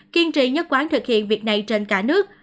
kiên trì nhất quán thực hiện việc này trên cả nước